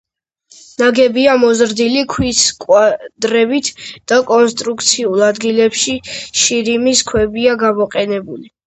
ნაგებია მოზრდილი ქვის კვადრებით და კონსტრუქციულ ადგილებში შირიმის ქვებია გამოყენებული.